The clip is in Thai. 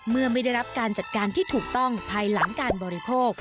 เมื่อไม่ได้รับการจัดการที่ถูกต้องภายหลังการบริโภค